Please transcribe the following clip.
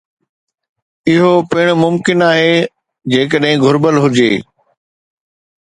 اهو پڻ ممڪن آهي جيڪڏهن گهربل هجي